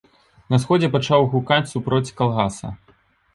На сходзе пачаў гукаць супроць калгаса.